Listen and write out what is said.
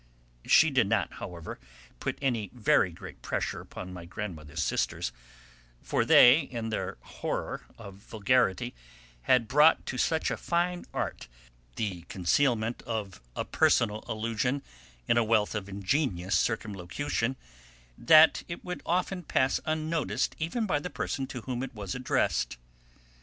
She did not, however, put any very great pressure upon my grandmother's sisters, for they, in their horror of vulgarity, had brought to such a fine art the concealment of a personal allusion in a wealth of ingenious circumlocution, that it would often pass unnoticed even by the person to whom it was addressed.